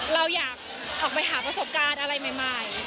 เราอยากออกไปหาประสบการณ์อะไรใหม่